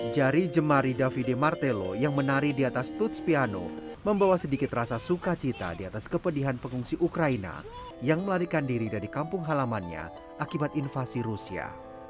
jari jemari davide martelo yang menari di atas tutspiano membawa sedikit rasa sukacita di atas kepedihan pengungsi ukraina yang melarikan diri dari kampung halamannya akibat invasi rusia